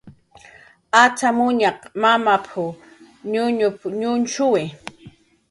"Acxamuñaq mamap"" ñuñup"" ñuñshuwi "